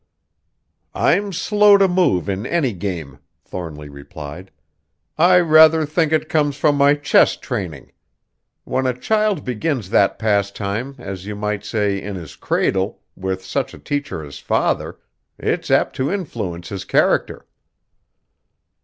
"I'm slow to move in any game," Thornly replied. "I rather think it comes from my chess training. When a child begins that pastime, as you might say, in his cradle, with such a teacher as father, it's apt to influence his character."